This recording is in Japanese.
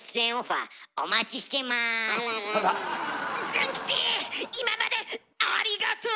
ズン吉今までありがと！